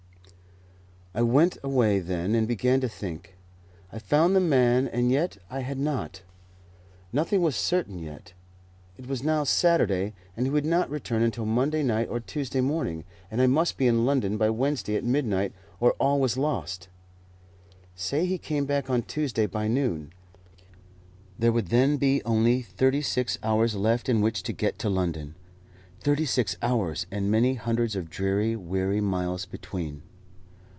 I went away then, and began to think. I found the man, and yet I had not. Nothing was certain yet. It was now Saturday, and he would not return until Monday night or Tuesday morning, and I must be in London by Wednesday at midnight, or all was lost. Say he came back on Tuesday by noon, there would then be only thirty six hours left in which to get to London. Thirty six hours, and many hundreds of dreary, weary miles between!